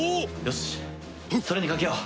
よしそれにかけよう。